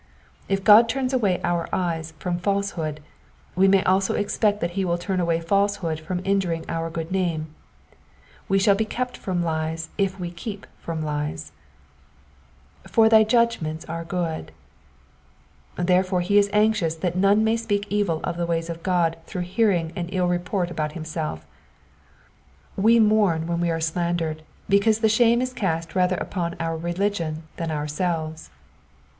If God turns away our eyes from false hood, we may also expect that he will turn away falsehood from injuring our good name. We shall be kept from lies if we keep from lies. ^^For thy Judgments are goody Therefore he is anxious that none may rk evil of the ways of God through hearing an ill report about himself, mourn when we are slandered ; because the shame is cast rather upon our Digitized by VjOOQIC PSALM OlS'B HUNDRED AND NINETEEN — ^VERSES 33 TO 40. 97 religion than ourselves.